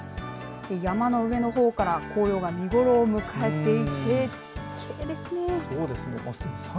山の方から紅葉が見ごろを迎えていてきれいですね。